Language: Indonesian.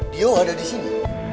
dia ada di sini